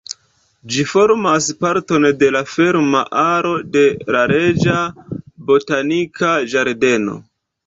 Ĝi formas parton de la ferma aro de la Reĝa Botanika Ĝardeno.